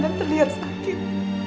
dan terlihat sakit